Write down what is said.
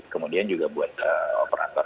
kemudian juga buat operator